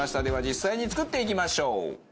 では実際に作っていきましょう。